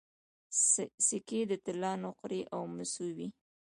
سکې د طلا نقرې او مسو وې